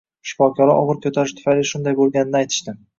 Shifokorlar og`ir ko`tarish tufayli shunday bo`lganini aytishdi